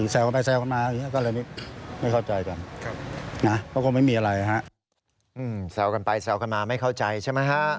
แซวกันไปแซวกันมาไม่เข้าใจใช่มั้ยฮะ